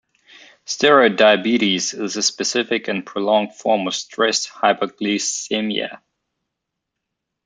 Steroid diabetes is a specific and prolonged form of stress hyperglycemia.